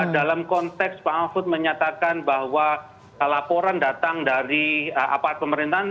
dalam konteks pak mahfud menyatakan bahwa laporan datang dari aparat pemerintahan